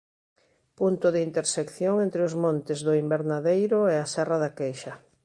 Punto de intersección entre os Montes do Invernadeiro e a Serra da Queixa.